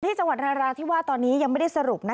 พี่จังหวัดราราที่ว่าตอนนี้ยังไม่ได้สรุป